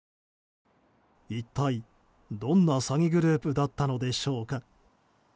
一体どんな詐欺グループだったのでしょうか。